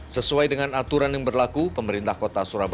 ken mana kayak ini sudah arah